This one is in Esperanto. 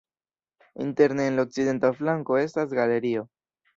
Interne en la okcidenta flanko estas galerio.